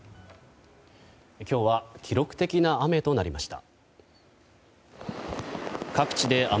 今日は記録的な雨となりました。